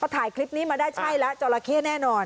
ถ่ายคลิปนี้มาได้ใช่แล้วจราเข้แน่นอน